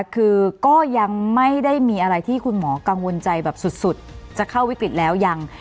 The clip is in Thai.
คือก็ยังไม่ได้มีอะไรที่คุณหมอกังวลใจแบบสุดจะเข้าวิกฤตแล้วยัง